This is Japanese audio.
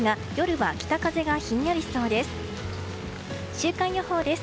週間予報です。